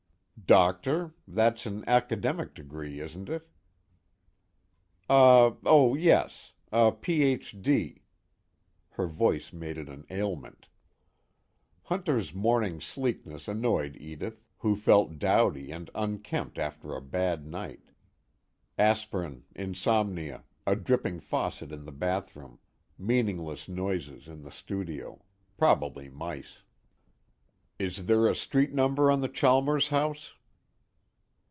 "Doctor that's an academic degree, isn't it?" "Uh oh yes. A Ph. D." Her voice made it an ailment. Hunter's morning sleekness annoyed Edith, who felt dowdy and unkempt after a bad night. Aspirin, insomnia, a dripping faucet in the bathroom, meaningless noises in the studio probably mice. "Is there a street number on the Chalmers house?"